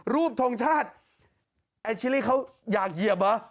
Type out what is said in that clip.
ทงชาติไอ้ชิลี่เขาอยากเหยียบเหรอ